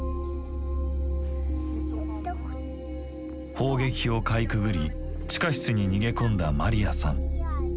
砲撃をかいくぐり地下室に逃げ込んだマリアさん。